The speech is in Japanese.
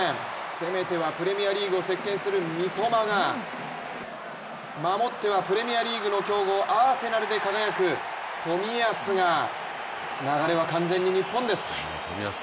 攻めてはプレミアリーグを席けんする三笘が守ってはプレミアリーグの強豪・アーセナルで輝く冨安が、流れは完全に日本です。